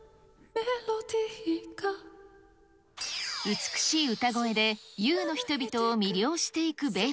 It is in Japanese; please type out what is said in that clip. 美しい歌声でＵの人々を魅了していくベル。